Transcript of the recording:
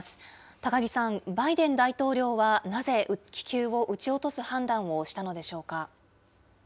高木さん、バイデン大統領はなぜ気球を撃ち落とす判断をしたのでしょうか。